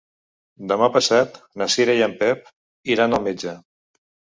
Demà passat na Cira i en Pep iran al metge.